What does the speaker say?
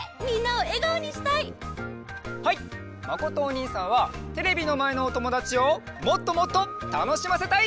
まことおにいさんはテレビのまえのおともだちをもっともっとたのしませたい！